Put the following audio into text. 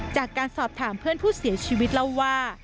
จากการสอบถามเพื่อนผู้เสียชีวิตเล่าว่า